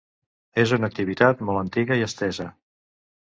És una activitat molt antiga i estesa.